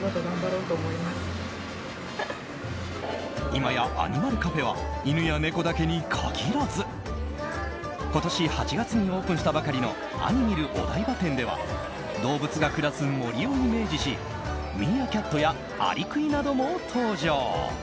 今や、アニマルカフェは犬や猫だけに限らず今年８月にオープンしたばかりのアニミルお台場店では動物が暮らす森をイメージしミーアキャットやアリクイなども登場。